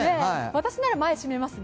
私なら、前閉めますね。